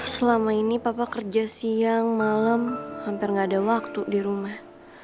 selama ini papa kerja siang malam hampir nggak ada waktu di rumah